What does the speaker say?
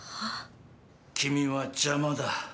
・君は邪魔だ。